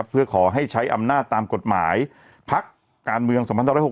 เพื่อขอให้ใช้อำนาจตามกฎหมายพักการเมือง๒๖๖